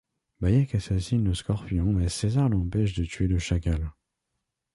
Bayek assassine le Scorpion mais César l’empêche de tuer le Chacal.